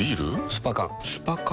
スパ缶スパ缶？